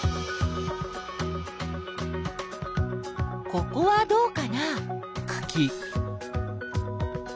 ここはどうかな？